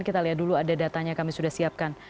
kita lihat dulu ada datanya kami sudah siapkan